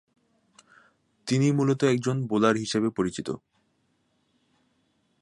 তিনি মুলত একজন বোলার হিসেবে পরিচিত।